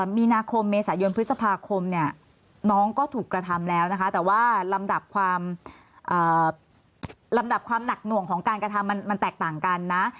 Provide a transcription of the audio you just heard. มีนาคมเมษายนพฤษภาคมเนี่ยน้องก็ถูกกระทำแล้วนะคะแต่ว่าลำดับความลำดับความหนักหน่วงของการกระทำมันแตกต่างกันนะ